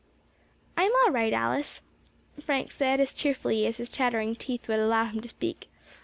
"I am all right, Alice," Frank said, as cheerfully as his chattering teeth would allow him to speak.